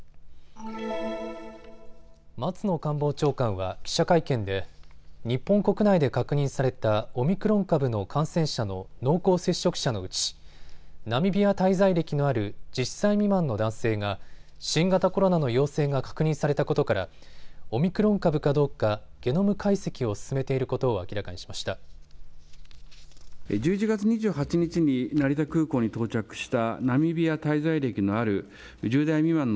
松野官房長官は記者会見で日本国内で確認されたオミクロン株の感染者の濃厚接触者のうちナミビア滞在歴のある１０歳未満の男性が新型コロナの陽性が確認されたことからオミクロン株かどうかゲノム解析を進めていることを明らかにしました。